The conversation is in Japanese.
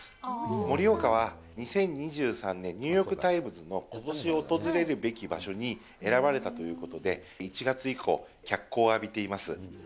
盛岡は２０２３年、ニューヨーク・タイムズのことし訪れるべき場所に選ばれたということで、１月以降、脚光を浴びています。